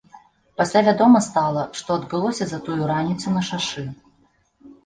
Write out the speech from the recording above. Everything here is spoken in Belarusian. Пасля вядома стала, што адбылося за тую раніцу на шашы.